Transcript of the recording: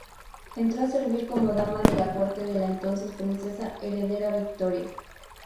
Entró a servir como dama de la corte de la entonces princesa heredera Victoria.